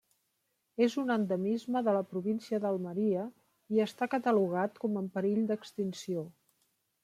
És un endemisme de la província d'Almeria i està catalogat com en perill d'extinció.